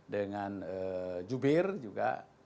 dengan jubir juga